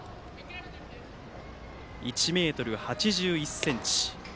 １ｍ８１ｃｍ。